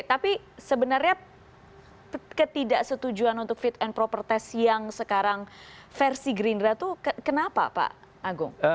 tapi sebenarnya ketidaksetujuan untuk fit and proper test yang sekarang versi gerindra itu kenapa pak agung